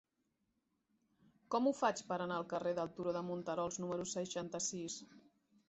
Com ho faig per anar al carrer del Turó de Monterols número seixanta-sis?